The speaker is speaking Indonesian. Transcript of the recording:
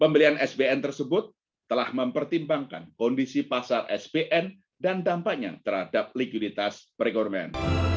pembelian sbn tersebut telah mempertimbangkan kondisi pasar spn dan dampaknya terhadap likuiditas perekonomian